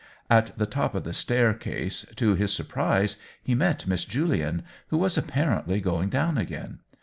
At the top of the staircase, to his sur prise, he met Miss Julian, who was appar ently going down again.